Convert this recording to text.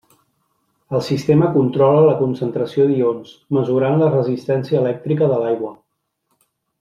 El sistema controla la concentració d'ions, mesurant la resistència elèctrica de l'aigua.